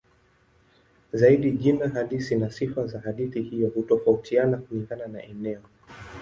Zaidi jina halisi na sifa za hadithi hiyo hutofautiana kulingana na eneo.